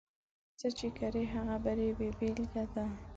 څه چې کرې، هغه به رېبې بېلګه ده.